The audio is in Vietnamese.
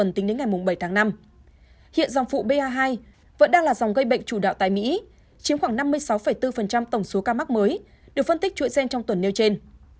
hiện dòng phụ ba hai vẫn đang là dòng gây bệnh chủ đạo tại mỹ chiếm khoảng năm mươi sáu bốn tổng số ca mắc mới được phân tích chuỗi gen trong tuần nêu trên